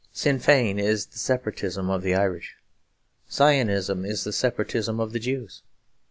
Sinn Fein is the separatism of the Irish. Zionism is the separatism of the Jews.